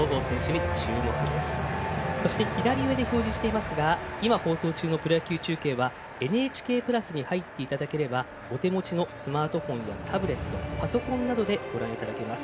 左上で表示していますが放送中のプロ野球中継はＮＨＫプラスに入っていただければお手持ちのスマートフォンやタブレットパソコンなどでご覧いただけます。